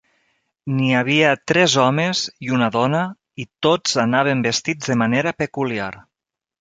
N'hi havia tres homes i una dona, i tots anaven vestits de manera peculiar.